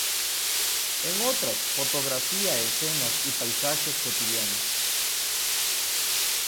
En otras, fotografía escenas y paisajes cotidianos.